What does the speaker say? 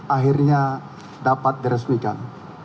akhirnya dapat diresmikan